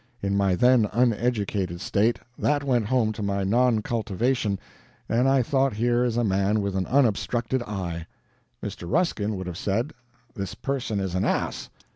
In my then uneducated state, that went home to my non cultivation, and I thought here is a man with an unobstructed eye. Mr. Ruskin would have said: This person is an ass.